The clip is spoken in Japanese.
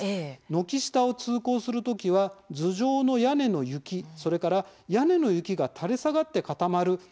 軒下を通行する時は頭上の屋根の雪、それから屋根の雪が垂れ下がって固まる雪ぴに注意してください。